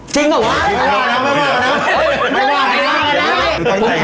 จริงหรอว่ะ